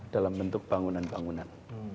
dalam bentuk bangunan bangunan